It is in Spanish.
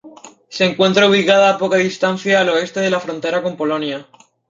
Se encuentra ubicada a poca distancia al oeste de la frontera con Polonia.